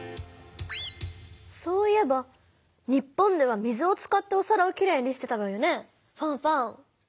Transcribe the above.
そういえば日本では水を使っておさらをきれいにしてたわよねファンファン。